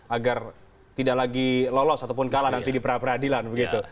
agar tidak lagi lolos ataupun kalah nanti di pra peradilan begitu